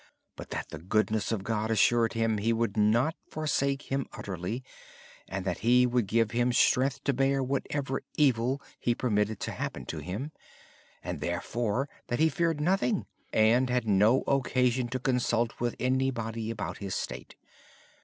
Yet the goodness of God assured him He would not forsake him utterly and that He would give him strength to bear whatever evil He permitted to happen to him. Brother Lawrence, therefore, said he feared nothing. He had no occasion to consult with anybody about his state.